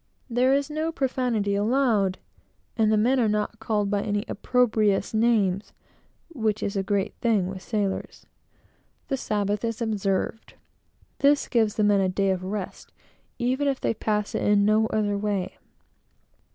There is no profanity allowed; and the men are not called by any opprobrious names, which is a great thing with sailors. The Sabbath is observed. This gives the men a day of rest, even if they pass it in no other way.